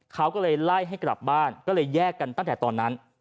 เขาก็เลยไล่ให้กลับบ้านก็เลยแยกกันตั้งแต่ตอนนั้น